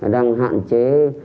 đang hạn chế